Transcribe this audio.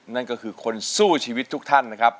นั่นก็คือคนสู้ชีวิตทุกท่านนะครับ